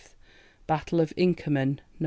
Battle of Inkerman (Nov.